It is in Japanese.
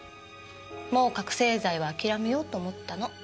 もう覚せい剤はあきらめようと思ったの。